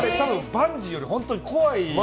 バンジーより本当に怖い。